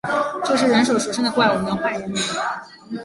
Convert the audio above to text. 这是人首蛇身的怪物，能唤人名